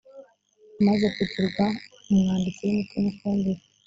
amaze kugirwa umwanditsi w’ imiti n ifumbire